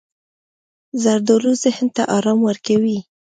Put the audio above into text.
زردالو ذهن ته ارام ورکوي.